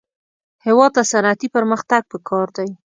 هېواد ته صنعتي پرمختګ پکار دی